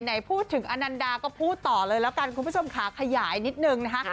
ไหนพูดถึงอนันดาก็พูดต่อเลยแล้วกันคุณผู้ชมขาขยายนิดนึงนะคะ